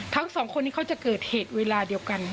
ทั้งสองคนนี้เขาจะเกิดเหตุเวลาเดียวกัน